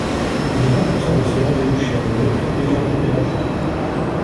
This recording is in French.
Le grand absent de ces rendez-vous chez Alévêque est Jean-Luc Mélenchon.